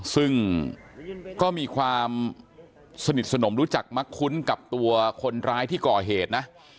ซึ่งก็มีความสนิทสนมรู้จักมักคุ้นกับตัวคนร้ายที่ก่อเหตุนะ